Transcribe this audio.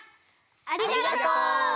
ありがとう！